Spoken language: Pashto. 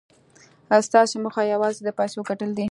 ستاسې موخه یوازې د پیسو ګټل دي